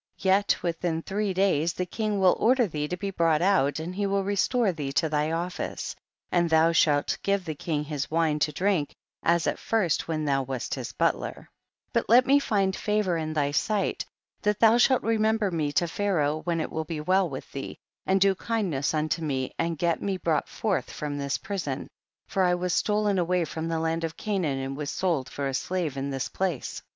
10. Yet within three days, the king will order thee to be brought out and he will restore thee to thy office, and thou shalt give the king his wine to drink as at first when thou wast his butler; but let me find favor in thy 10 sight, that ihou shalt remember me to Pharaoh wlicn it will be well with thee, and do kindness unto me, and get me brought forth from this prison, for I was stolen away from the land of Canaan and was sold for a slave in this place.